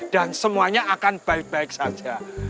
dan semuanya akan baik baik saja